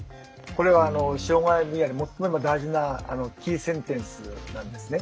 これは障害者における最も大事なキーセンテンスなんですね。